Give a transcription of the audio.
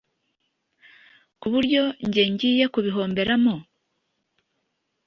ku buryo nge ngiye kubihomberamo?